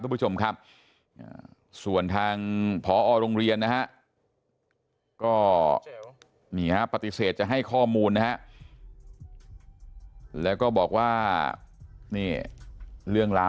ทุกผู้ชมครับส่วนทางผอโรงเรียนนะฮะ